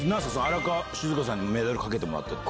荒川静香さんにメダル掛けてもらったって。